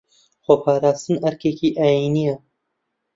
خۆپاراستن ئەرکێکی ئاینییە